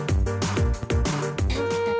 kita tarik bareng bareng